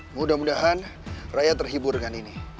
mudah mudahan rakyat terhibur dengan ini